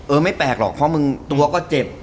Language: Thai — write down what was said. ไม่แปลกหรอกเพราะมึงตัวก็เจ็บ